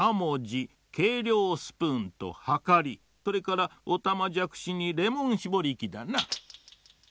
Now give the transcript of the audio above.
スプーンとはかりそれからおたまじゃくしにレモンしぼりきだな。